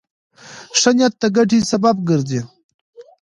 ښه نیت د ګټې سبب ګرځي.